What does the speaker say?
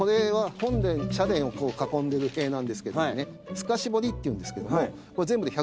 透かし彫りっていうんですけども。